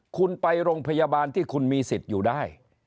คุณไปโรงพยาบาลที่คุณมีสิทธิ์อยู่ได้